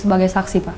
sebagai saksi pak